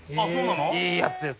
いいやつです